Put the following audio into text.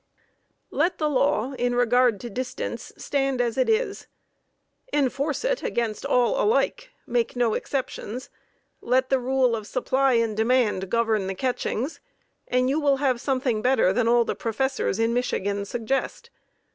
Let the law, in regard to distance, stand as it is. Enforce it against all alike; make no exceptions; let the rule of supply and demand govern the catchings, and you will have something better than all the professors in Michigan suggest.